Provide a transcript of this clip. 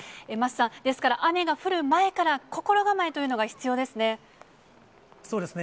桝さん、ですから、雨が降る前から、心構えというのが必要ですね。